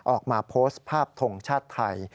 ออกมาโพสต์ภาพทงชาติไทย